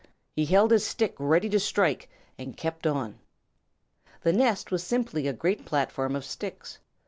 He held his stick ready to strike and kept on. The nest was simply a great platform of sticks.